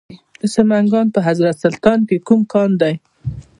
د سمنګان په حضرت سلطان کې کوم کان دی؟